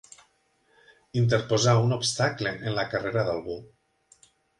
Interposar un obstacle en la carrera d'algú.